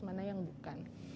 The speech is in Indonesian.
mana yang bukan